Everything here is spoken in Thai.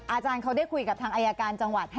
อาจารย์เขาได้คุยกับทางอายการจังหวัด